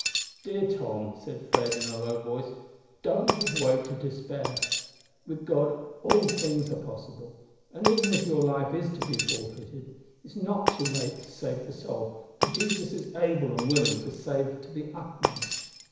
"Dear Tom," said Fred, in a low voice, "don't give way to despair. With God all things are possible, and even if your life is to be forfeited, it is not too late to save the soul, for Jesus is able and willing to save to the uttermost.